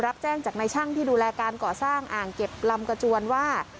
รับแจ้งจากในช่างที่ดูแลการก่อสร้างอ่างเก็บลำกระจวนว่า